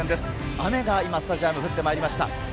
雨がスタジアムに降ってまいりました。